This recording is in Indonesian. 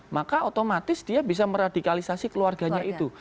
maka otomatis dia bisa meradikalisasi keluarganya itu